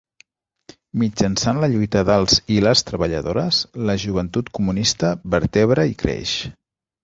Mitjançant la lluita dels i les treballadores, la Joventut Comunista vertebra i creix.